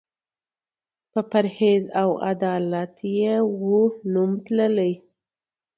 په پرهېز او عدالت یې وو نوم تللی